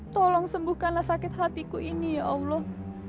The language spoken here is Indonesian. tolong sembuhkanlah sakit hatiku ini ya allah